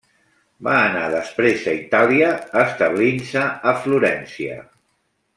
Va anar després a Itàlia, establint-se a Florència.